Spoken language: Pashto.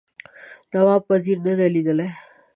نواب وزیر نه دی لیدلی.